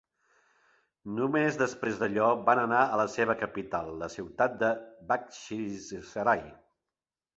Només després d'allò van anar a la seva capital, la ciutat de Bakhchisarai.